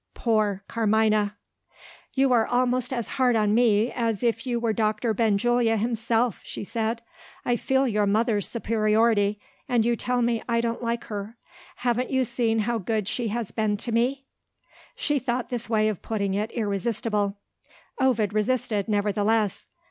poor Carmina! "You are almost as hard on me as if you were Doctor Benjulia himself!" she said. "I feel your mother's superiority and you tell me I don't like her. Haven't you seen how good she has been to me?" She thought this way of putting it irresistible. Ovid resisted, nevertheless.